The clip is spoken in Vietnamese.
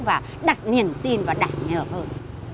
và đặt niềm tin và đảm nhờ hơn